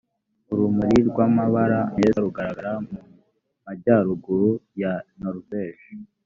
urumuri rw amabara meza rugaragara mu majyaruguru ya noruveje